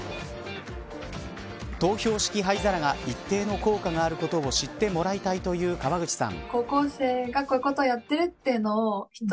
投票式灰皿が一定の効果があることを知ってもらいたいという川口さん。